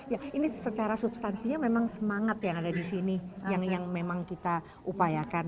ya ini secara substansinya memang semangat yang ada di sini yang memang kita upayakan